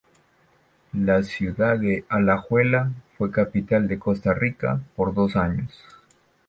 La ciudad de Alajuela fue capital de Costa Rica por dos años.